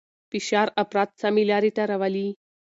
فشار افراد سمې لارې ته راولي.